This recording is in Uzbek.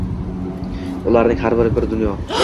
Ularning har biri bir dunyo.